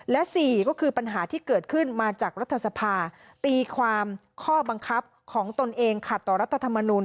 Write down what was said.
และ๔ก็คือปัญหาที่เกิดขึ้นมาจากรัฐสภาตีความข้อบังคับของตนเองขัดต่อรัฐธรรมนูล